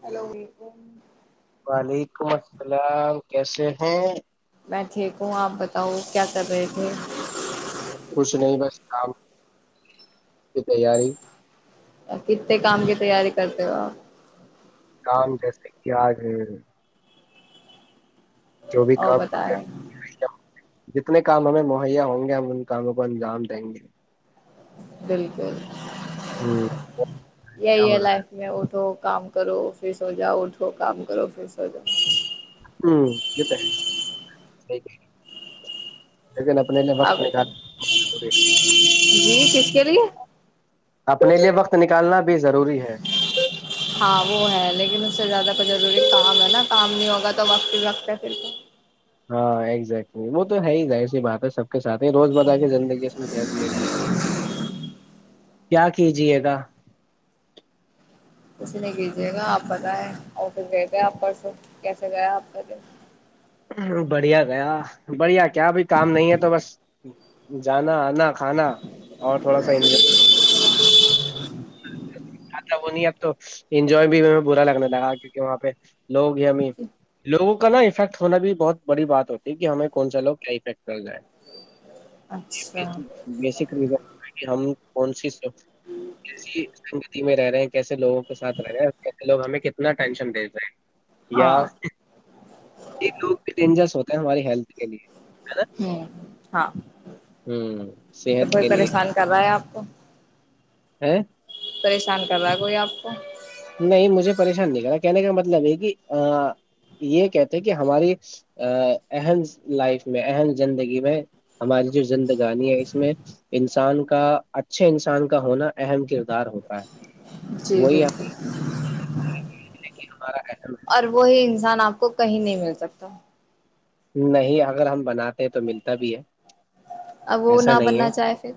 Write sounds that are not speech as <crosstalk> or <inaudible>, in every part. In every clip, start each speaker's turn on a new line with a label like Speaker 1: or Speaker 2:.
Speaker 1: hello وعلیکم
Speaker 2: وعلیکم السلام کیسے ہیں
Speaker 1: میں ٹھیک ہوں آپ بتاؤ کیا کر رہے تھے
Speaker 2: کچھ نہیں بس کام کی تیاری
Speaker 1: کتنے کام کی تیاری کرتے ہو آپ
Speaker 2: کام جیسے کہ آج ہے جو بھی
Speaker 1: اور
Speaker 2: کام
Speaker 1: بتائیں
Speaker 2: جتنے کام ہمیں مہیا ہوں گے ہم ان کاموں کو انجام دیں گے
Speaker 1: بالکل
Speaker 2: ہوں کیا
Speaker 1: یہی
Speaker 2: ہو
Speaker 1: ہے
Speaker 2: رہا
Speaker 1: لائف میں وہ توو کام کرو پھر س ہو جاؤ اٹھو کام کرو فھر سو جاؤ
Speaker 2: ہوں ت ہے لیکن اپنے لیے
Speaker 1: آ
Speaker 2: وقت
Speaker 1: بتا
Speaker 2: نکالنا ضروری
Speaker 1: ج
Speaker 2: ہے
Speaker 1: ک کی لیے
Speaker 2: اپنے لیے وقت نکالنا بھی ضروری ہے
Speaker 1: ہاں وہ ہے لیکن اس سے زیادہ تو ضروری کام ہے نا کام نہیں ہوگا تو وقت بھی وقت ہے پھر کو
Speaker 2: ہاں ایکگزیکٹلی وہ تو ہے ہی جائے اسی بات ہے سب کے ساتھ ہی روز بتا کے زندگی اس میں کیا کیا ج کیا کیجیے گا
Speaker 1: اسسی نہیں کیجیے گا آپ پت ہے اور پھر بھی گئے آپ پرسوں کیسے گیا آپ د
Speaker 2: بڑھیا گیا بڑھیا کیا بھائی کام نہیں ہے تو بس جانا کھا کھانا اور تھوڑا سا انجوائے ہ اب وہ نہیں اب تو انجوائے بھی برا لگنے لگا کیونکہ وہاں پہ لوگ گیا م لو کا نا افیکٹ ہونا بھی بہت بڑی بات ہوتی ہے کہ ہمیں کون سا لوگ کیا افیکٹ کر جائےیں
Speaker 1: اچھا
Speaker 2: کر ہم کون سی س <unintelligible> میں رہے ہیں کیسےوگوں کے ساتھ رہے ہیں کیسےوگ ہمیں کتنا ٹینشن دیےتے ہیں یا
Speaker 1: ہاں
Speaker 2: ایک لوگ بھی ڈینجرس ہوتے ہیں ہماری ہیلتھ کے لیے ہے نا
Speaker 1: ہ ہاں
Speaker 2: ہ
Speaker 1: تو
Speaker 2: صحت
Speaker 1: کوئی
Speaker 2: کے لیے
Speaker 1: پریشان کر رہا ہے آپ <unintelligible>
Speaker 2: <unintelligible>
Speaker 1: پریشان کر رہا ہے کوئی آپ کو
Speaker 2: نہیں مجھے پریشان نہیں کرا کہنے کا مطلب یہ کہ یہ کہتے کہ ہماری اہم لائف میں اہم زندگی میں ہماری جو زندگانی ہے اس میں انسان کا اچھے انسان کا ہونا اہم کردار ہوتا ہے
Speaker 1: جی بالکل
Speaker 2: ل ہمارا کیسا
Speaker 1: اور وہی انسان آپ کو کہیں نہیں مل سکتا
Speaker 2: نہیں اگر ہم بناتے ہیں تو ملتا بھی ہے
Speaker 1: اب وہ
Speaker 2: ایسا
Speaker 1: نہ
Speaker 2: نہیں
Speaker 1: بننا
Speaker 2: ہے
Speaker 1: چاہے پھر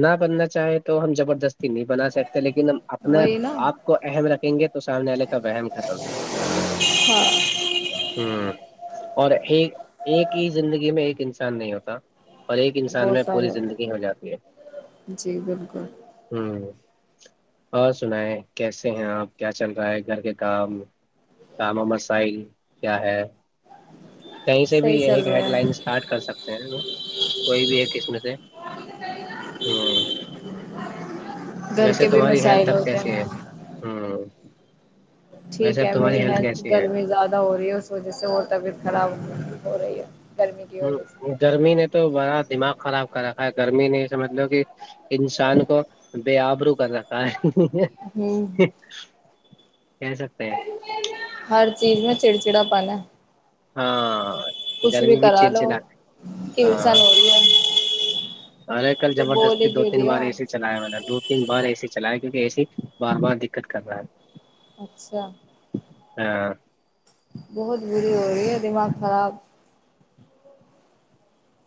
Speaker 2: نہ بننا چاہے تو ہم زبردستی نہیں بنا سکتے لیکن ہم اپنے
Speaker 1: وہی نا
Speaker 2: آپ کو اہم رکھیں گے تو سامنے والے کا وہم ختم ہ اور ایک ایک ہی زندگی میں ایک انسان نہیں ہوتا اور ایک انسان
Speaker 1: بہت
Speaker 2: میں پوری
Speaker 1: سارے
Speaker 2: زندگی ہو جاتی ہے
Speaker 1: جی بالکل
Speaker 2: ہوں اور سنا ہے کیسے ہیں آپ کیا چل رہا ہے گھر کے کام کام و مسائل کیا ہے کہیں سے بھی
Speaker 1: صحیح
Speaker 2: یہ
Speaker 1: چل
Speaker 2: ایک ہیڈ
Speaker 1: رہے
Speaker 2: لائن
Speaker 1: ہیں
Speaker 2: اسٹارٹ کر سکتے ہیں کوئی بھی ایک قسم سے ہ
Speaker 1: گھر
Speaker 2: ویسے
Speaker 1: کے بھی
Speaker 2: تمہاری ہیلھ
Speaker 1: مسائل
Speaker 2: اب
Speaker 1: ہوتے
Speaker 2: کیسی
Speaker 1: ہیں
Speaker 2: ہے ہ
Speaker 1: ٹھیک
Speaker 2: ویسے اب
Speaker 1: ہے
Speaker 2: تمہاری
Speaker 1: میری ہیلتھ
Speaker 2: کیسی ہے
Speaker 1: گرمی زیادہ ہو رہی ہے اس وجہ سے اور طبیعت خراب ہو رہی ہے گرمی کی وجہ
Speaker 2: ہ
Speaker 1: سے
Speaker 2: گرمی نے تو بڑا دماغ خراب کر رکھا ہے گرمی نے سمجھ لو کہ انسان کو بے آبرو کر رکھا ہے
Speaker 1: ہوں
Speaker 2: <inaudible> کھیل سکتے ہیں
Speaker 1: ہر چیز میں چڑ چڑا پانا ہے
Speaker 2: ہاں
Speaker 1: کچھ
Speaker 2: گرمی بھی
Speaker 1: کرا
Speaker 2: چل
Speaker 1: لو
Speaker 2: چلا
Speaker 1: ٹینسن
Speaker 2: ہاں
Speaker 1: ہو رہی ہے
Speaker 2: ارے کل
Speaker 1: تو بول
Speaker 2: زبردستی
Speaker 1: ہی
Speaker 2: دو
Speaker 1: کی
Speaker 2: تین
Speaker 1: رہی ہے
Speaker 2: بار اے سی چلائے مطب دو تین بار اے سی چلائے کیہ ایسی بار بار دقت کر رہا ہے
Speaker 1: اچھا
Speaker 2: ہاں
Speaker 1: بہت بری ہو رہی ہے دماغ خراب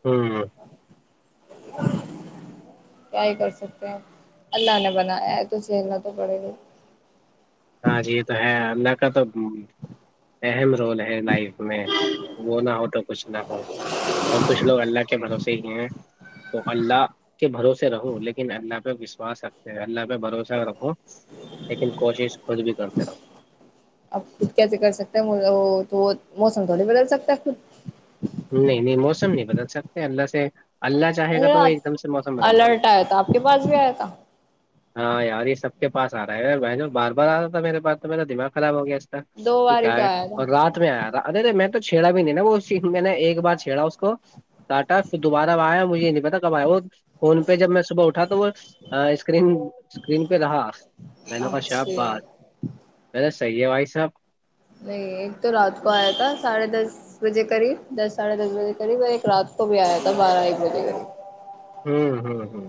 Speaker 2: ہوں
Speaker 1: کیا ہی کر سکتے ہیں اللہ نے بنایا ہے تو سھیلنا تو پڑے گا <unintelligible>
Speaker 2: ہاں جی یہ تو ہے اللہ کا تو اہم رول ہے لائف میں وہ نہ ہو تو کچھ نہ ہو اور کچھ لوگ اللہ کے بھروسے ہی ہیں تو اللہ کے بھروسے رہو لیکن اللہ وشواس رکھتے ہیں اللہ پ بھروسہ رکھو لیکن کوشش بھی کرتے رہو
Speaker 1: اب خود کیسے کر سکتے ہیں تو موسم تھوڑی بدل سکتا ہے خود
Speaker 2: نہیں نہیں موسم نہیں بدل سکتے اللہ سے اللہ چاہے گا
Speaker 1: اا
Speaker 2: تو وہ ایک دم سے موسم بدل دے گا
Speaker 1: الرٹ آیا تھا آپ کے پاس بھی آیا تھا
Speaker 2: ہاں یار یہ سب کے پا آ رہا ہے یار بہن بار بار آ رہا تھا میرے پاس تو میرا دماغ خراب ہو گیا
Speaker 1: دو
Speaker 2: یہ
Speaker 1: باری
Speaker 2: کیا
Speaker 1: تو
Speaker 2: ہے
Speaker 1: آیا تھا
Speaker 2: اور رات میں آیا تھا ارے اے میں تو چھیڑا بھی نہیں نا وہ میں نے ایک بار چھیڑا اس کو کاٹا پھر دوبارہ آیا مجھے یہ نہیں پتا کب آیا وہ فون پہ جب میں صبح اٹھا تو وہ اسکرین اسکرین پہ رہا میں نے کا شاپ
Speaker 1: اچھا
Speaker 2: باز میں صحیح ہے بھائی صاحب
Speaker 1: نہیں ایک تو رات کو آیا تھا ساڑھے دس بجے قریب دس ساڑھے دس بجے قریب اور ایک رات کو بھی آیا تھا بارہ ایک بجے قریب
Speaker 2: ہوں ہوں ہوں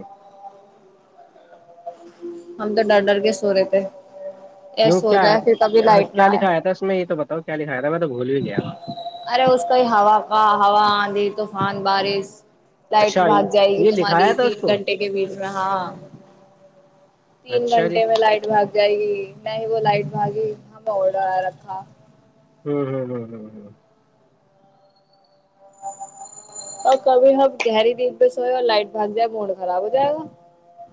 Speaker 1: ہم تو ڈر ڈر کے سو رہے تھے
Speaker 2: کیوں
Speaker 1: ایسو
Speaker 2: کیا ہے
Speaker 1: جائے پھر کبھی
Speaker 2: کیا
Speaker 1: لائٹ نہ
Speaker 2: کیا
Speaker 1: آئے
Speaker 2: لکھایا تھا اس میں یہ تو بتاؤ کیا لکھایا تھا میں تو بھول بھی گیا
Speaker 1: ارے اس کا ہی ہوا کا ہوا آندھی تو خان بارش لائٹ
Speaker 2: اچھا
Speaker 1: بھاگ جائے
Speaker 2: یہ
Speaker 1: گی
Speaker 2: یہ لکھایا
Speaker 1: تمہاری
Speaker 2: تھا اس
Speaker 1: تین
Speaker 2: کو
Speaker 1: گھنٹے کے بیچ میں ہاں تین
Speaker 2: اچھا جی
Speaker 1: گھنٹے میں لائٹ بھاگ جائے نہیں وہ لائٹ بھاگی ہاںڈر رکھا
Speaker 2: ہوں ہوں ہ ہ ہ
Speaker 1: اور کبھی ہمب گہری دن پہ سوئے اور لائٹ بھاگ جائے موڈ خراب ہو جائے گا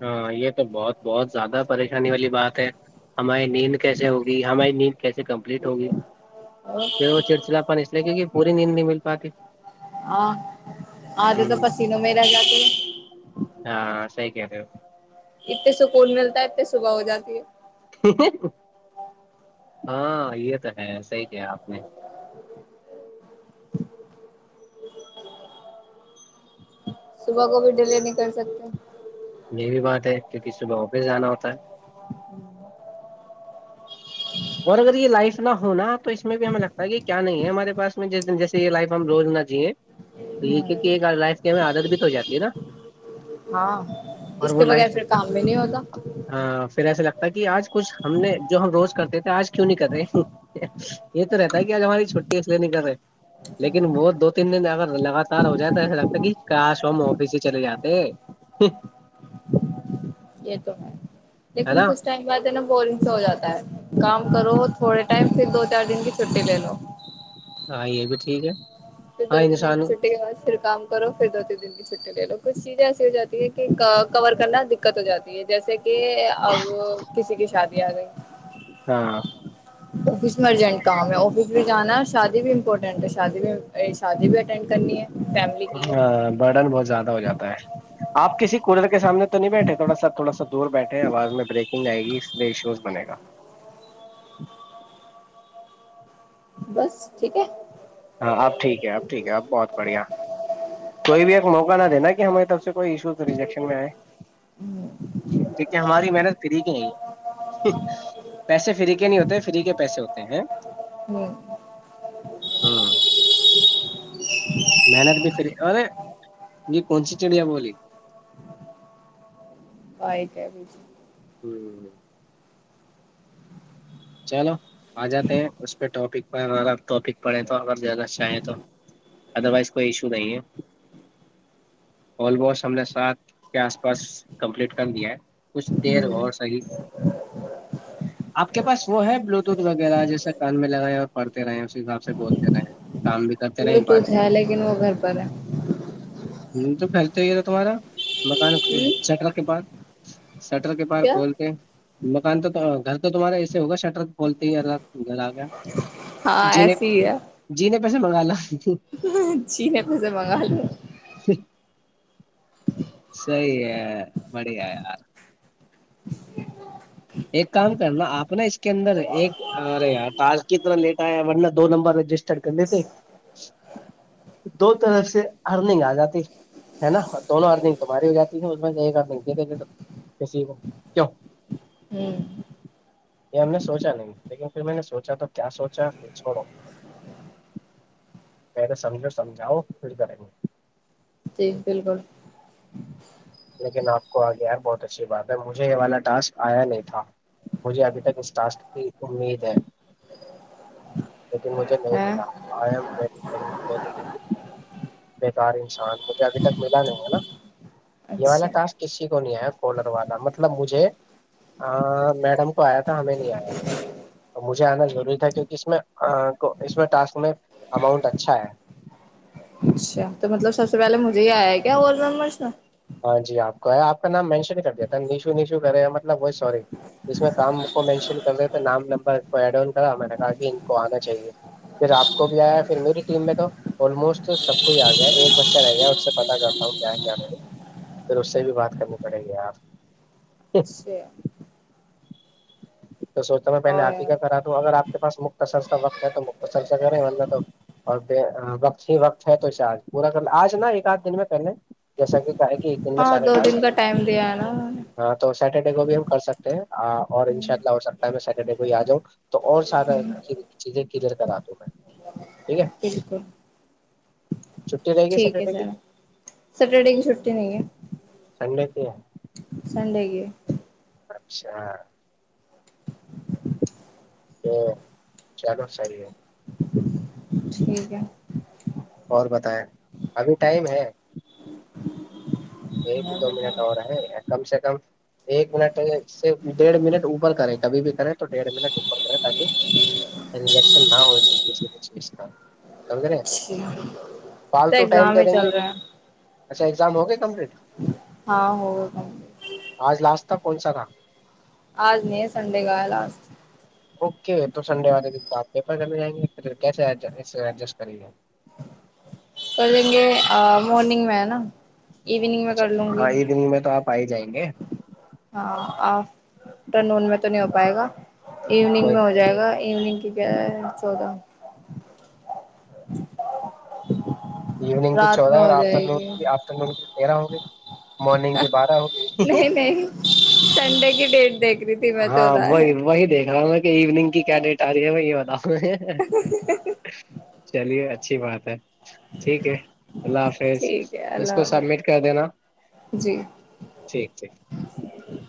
Speaker 2: ہاں یہ تو بہت بہت زیادہ پریشانی والی بات ہے ہماریے نیند کیسے ہوگی ہماری نیند کیسے کمپلیٹ ہوگی
Speaker 1: گا
Speaker 2: پھر وہ چڑچڑاپن اس لیے کہ کہ پوری نیند نہیں مل پاتی
Speaker 1: ہاں آدھے تو
Speaker 2: ہ
Speaker 1: پسینوں میں رہ جاتی ہے
Speaker 2: ہاں صحی کہہ رہے ہو
Speaker 1: اتنے سکون ملتا ہے اتنی صبح ہو جاتی ہے
Speaker 2: ہاں یہ تو ہے ایسا ہی کیا آپ نے
Speaker 1: <inaudible> صبح کو بھی ڈلیے نہیں کر سکتے
Speaker 2: یہی بھی بات ہے کیونکہ صبح وفس جانا ہوتا ہے
Speaker 1: ہوں
Speaker 2: اور اگر یہ لائف نہ ہونا تو اس میں بھی ہمیں لگتا ہے کہ کیا نہیں ہے ہمارے پس میں جس د جیسے یہ لائف ہم روز نہ جییں تو یہک لائف کی ہمیں عادت بھی تو ہو جاتی ہے نا
Speaker 1: ہاں
Speaker 2: اور
Speaker 1: اس
Speaker 2: وہ
Speaker 1: کے بغیر
Speaker 2: لائف
Speaker 1: پھر کام بھی نہیں ہوتا
Speaker 2: ہاں پھر ایسا لگتا ہے کہ آج کچھ ہم نے جو ہم روز کرتے تھے آج کیوں نہیں کر رہے یہ تو رہتا ہے کہ آج ہماری چھوٹی س لینے کر رہے لیکن وہ دو تین دن اگر لگاتار ہو جائے تو ایسا لگتا ہے کہ کہ ش ہم آفس ہی چلے جاتے
Speaker 1: یہ تو ہے
Speaker 2: ہے
Speaker 1: لیکن
Speaker 2: نا
Speaker 1: کچھ ٹائم بعد ہے نا بورنگ سے ہو جاتا ہے کام کرو تھوڑے ٹائم پھر دو چار دن کی چھٹی لے لو
Speaker 2: ہاں یہ بھی ٹھیک ہے
Speaker 1: پھر دو
Speaker 2: ہاں
Speaker 1: تین دن
Speaker 2: انسان
Speaker 1: چھٹی کے بعد پھر کام کرو پھر دوین دن کی چھٹی لے لو کچھ چیزیں ایسی ہو جاتی ہیں کہ کور کرنا دقت ہو جاتی ہے جیسے کہ اب کسی کی شادی فیااد
Speaker 2: ہاں
Speaker 1: آفس ارجنٹ کام ہے آفس بھی جانا ہے شادی بھی امپورٹینٹ ہے شادی بھی شادی بھی اٹینڈ کرنی ہے فیملی کی ہے
Speaker 2: ہاں برڈن بہت زیادہ ہو جاتا ہے آپ کسی کولر کے سامنے تو نہیں بیٹھے تھوڑا سا تھوڑا سا دور بیٹھے آواز میں بریکنگ آئے گی اس پے شو سے بنے گا
Speaker 1: السلام علیکم محترم بھائی جان بس ٹھیک ہے
Speaker 2: ہاں اب ٹھیک ہے اب ٹھیک ہے اب بہت بڑھیا کوئی بھی ایک موقع نہ دینا کہ ہماری طرف سے کوئی ایشو تو ریجیکشن میں آئے کیہ ہماری محنت فری کی نہیں ہے پیسے فری کے نہیں ہوتے فری کے پیسے ہوتے ہیں ہوں محنت بھی فری ارے یہ کون سی چڑیا بولی
Speaker 1: <unintelligible>
Speaker 2: ہ چلو آ جاتے ہیں اس پہ ٹاپک ٹپک پڑے گ تو اگر زیادہ چاہیں تو ادر وائز کوئی ایشو نہیں ہے آموسٹ ہم نے ساتھ کے آس پاس کمپلیٹ قم دیا ہے کچھ دیر اور سکی آپ اس کے پاس وہ ہے بلوتوت وغیرہ جیسے کان میں لگے ہیں اور پڑھتے رہے اسی حساب سے بولتے رہے کام بھی کرتے رہے بات
Speaker 1: بلوٹوتھ
Speaker 2: میں
Speaker 1: ہے لیکن وہ گھر پر
Speaker 2: ہ تو کرلتے ہی تھا تمہارا مکان
Speaker 1: ہے
Speaker 2: چٹرا کے پاس السلام علیکم محترم سٹر کے پارک
Speaker 1: کیا
Speaker 2: کھولتے مکان تو گھر تو تہارا ہوگا شٹر <unintelligible> کولتے ہی ال سر آ گیا
Speaker 1: ہاں
Speaker 2: ج ج پیسے منگا لا <unintelligible>
Speaker 1: چینے پیسے منگا ل
Speaker 2: صی ہے <unintelligible> می آ یار <unintelligible>
Speaker 1: <inaudible>
Speaker 2: ایک کام <unintelligible> نا آپ نا اس کے اندر ایک ارے ار تج کی طرح لیٹ آیا ورنہ دو نمبر رجسٹ چھڑکن دیے تھے <unintelligible> دو طرف سے ارننگ آ جاتی ہے نا دونوں ارننگ تمہاری ہو جاتی ہے اس میں انگ د د کسی کو کی
Speaker 1: ہوں <unintelligible>
Speaker 2: یہ ہم نے سوچا نہیں لیکن پھر میں نے سوچا تو کیا سوچا پھر چھوڑو پہلے سمجھو سمجھاؤ پھر کریں گے
Speaker 1: جی بالکل <unintelligible>
Speaker 2: لیکن آپ کو آگے یار بہت اچھی بات ہے مجھے یہ والا ٹاسک آیا نہیں تھا مجھے ابھی تک اس ٹاسک کی امید ہے لیکن مجھے نہیں
Speaker 1: ہے
Speaker 2: ملا آئی ایم ویی ار انسان <unintelligible> مجھے ابھی تک ملا نہیں ہے نا یہ والا
Speaker 1: اچھا
Speaker 2: کاس کسی کو نہیں آیا کلر والا مطلب مجھے آ میڈم <unintelligible> آیا تھا ہمیں نہیں آیا مجھ آنا ضری تھا کیکہ اس میں کو اس میں ٹاسک میں اماؤنٹ اچھا ہے
Speaker 1: اچھا تو مطلب سب سے پہلے مجھے ہی آیا کیا اور زمر
Speaker 2: ہاں جی آپ کو ہے آپ کا نام مینشن ہی کر دیا تھا نشو نیشو کرے سوری ج میں کام کو مینشن کر رہے تھے نام نمر ب ایڈا کرا میں نے کہا کہ ان کو آنا چاہیے پھر آپ کو بھی آیا پھر میری ٹیم میں تو آلموسٹ سب کو ہی آ گیا ہے ایک بچہ رہ گیا اس سے پتا کرتا ہوں کیا کیا نہیں پھر اس سے بھی بات کرنی پڑیں گے آپ
Speaker 1: اچا <unintelligible>
Speaker 2: تو سوچتا ہ میں پہلے آپ ہی کا کرا دوں اگر آپ کے پاس مختصلسا وقت ہے تو مختسلسا کریں ندہ تو اور وقت ہی وقت ہے تو ش آج پورا کر ل آج نا ایک آدھ دن میں پہلے جیسا کہ کاے کہ ایک دن میں
Speaker 1: ہاں
Speaker 2: سارے
Speaker 1: دو
Speaker 2: ٹس
Speaker 1: دن
Speaker 2: ل
Speaker 1: کا ٹائم دیا ہے نا انہوں نے
Speaker 2: ہاں تو سٹرڈے کو بھی ہم کر سکتے ہیں ہاں اور انشاء اللہ ہو سکتا ہے میں سیٹرڈے کو ہی آ جاؤں تو اور سارا چیزیں کلیئر کرا دوں میں ٹھیک ہے
Speaker 1: بالکل
Speaker 2: چھٹی رہے گی
Speaker 1: ٹھیک ہے
Speaker 2: سٹرڈے کی
Speaker 1: سر سیٹرڈے کی چھٹی نہیں ہے
Speaker 2: <unintelligible> سگ کے ہے <inaudible>
Speaker 1: سنڈے کے <unintelligible>
Speaker 2: اچھا <unintelligible> تو چل ساری ہے <unintelligible>
Speaker 1: ٹھیک ہے <unintelligible>
Speaker 2: اور بتیایں ابھی ٹائم ہے <unintelligible>
Speaker 1: ہ <inaudible>
Speaker 2: ایک دو منٹ اور ہے کم سے کم <unintelligible> ایک منٹ صر ڈیھ منٹ اوپر کرے کبھی بھی کریں تو ڈیڑھ منٹ اوپر کرے تاکہ رجیکشن نہ ہو کسی بھی چیز کامے
Speaker 1: تو
Speaker 2: فالتو ٹائم
Speaker 1: ایگزام
Speaker 2: دے
Speaker 1: ہی
Speaker 2: دیں گے
Speaker 1: چل رہے ہیں
Speaker 2: اچھا ایگزام ہوگ کمپلیٹ
Speaker 1: ہاں ہو
Speaker 2: رستہ کونسا تھاا
Speaker 1: آج نہیں سنڈے کایا لاس <unintelligible>
Speaker 2: اوکے تو سنڈے والے دن تو آپ پیپر کرنے جائیں گے پھر کیسے ایڈجسٹ کریں گے <unintelligible>
Speaker 1: کریں گے مورننگ میں ہے نا <unintelligible>
Speaker 2: اچھا
Speaker 1: کر لوں گی
Speaker 2: ہاں یہ دن میں تو آپ <unintelligible> پائے جائیں گے <inaudible>
Speaker 1: ہاں آ نون میں تو نہیں ہو پائے گا <unintelligible> ایوننگ
Speaker 2: کوئی
Speaker 1: میں ہو جائے گا ایوننگ کی کیا ہے چودہ <unintelligible> <inaudible>
Speaker 2: ایوننگ کی
Speaker 1: رات میں
Speaker 2: چودہ اور
Speaker 1: ہو جائے
Speaker 2: آفٹر نون
Speaker 1: گی
Speaker 2: کی آفٹر نون کی تیرہ ہوگی مارننگ کی بارہ ہوگی <unintelligible>
Speaker 1: نہیں نہیں سنڈے کی ڈیٹ دیکھ رہی تھی میں
Speaker 2: ہاں
Speaker 1: چودہ ہے
Speaker 2: وہی
Speaker 1: <unintelligible>
Speaker 2: وہی دیکھ رہا ہوں میں ایوننگ کی کیا ڈیٹ آ رہی ہے ب یہ بتاا <unintelligible> چلیے اچا <inaudible> اچھی بات ہے ٹھیک ہے اللہ حافظ
Speaker 1: ٹھیک ہے
Speaker 2: اس کو
Speaker 1: اللہ
Speaker 2: سبمٹ
Speaker 1: حافظ
Speaker 2: کر دینا
Speaker 1: جی
Speaker 2: ٹھیک ٹھیک <unintelligible>